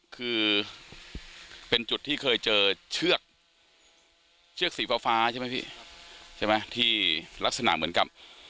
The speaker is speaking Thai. คือเป็นจุดที่เคยเจอเชือกเชือกสีฟ้าฟ้าใช่ไหมพี่ใช่ไหมที่ลักษณะเหมือนกับ